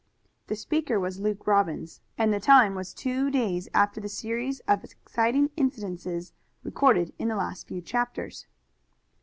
The speaker was Luke Robbins and the time was two days after the series of exciting incidents recorded in the last few chapters.